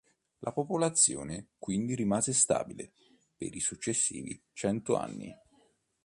La popolazione quindi rimase stabile per i successivi cento anni.